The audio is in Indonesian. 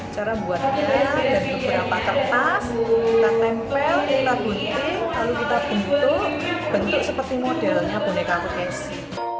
cara membuatnya dari beberapa kertas kita tempel kita gunting lalu kita bentuk bentuk seperti modelnya boneka foosisi